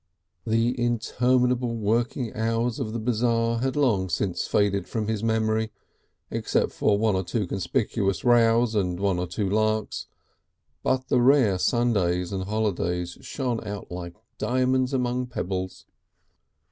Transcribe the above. The interminable working hours of the Bazaar had long since faded from his memory except for one or two conspicuous rows and one or two larks but the rare Sundays and holidays shone out like diamonds among pebbles.